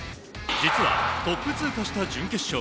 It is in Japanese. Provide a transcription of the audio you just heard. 実は、トップ通過した準決勝。